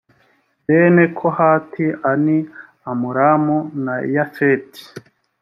bene kohati ani amuramu na yafeti